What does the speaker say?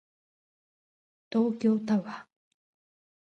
東京タワー